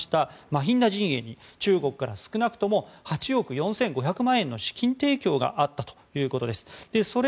マヒンダ陣営に、中国から少なくとも８億４５００万円の資金提供があったということです。